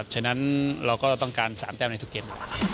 ฉะนั้นเราก็ต้องการ๓แต้มในทุกเกม